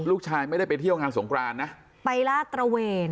ลูกชายไม่ได้ไปเที่ยวงานสงครานนะไปลาดตระเวน